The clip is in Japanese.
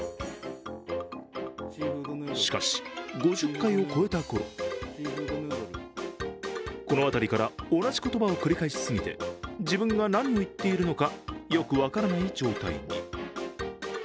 しかし、５０回を超えた頃この辺りから同じ言葉を繰り返し過ぎて、自分が何を言っているのか分からない状態に。